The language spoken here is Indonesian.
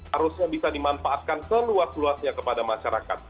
harusnya bisa dimanfaatkan seluas luasnya kepada masyarakat